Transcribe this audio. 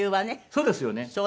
そうですよね。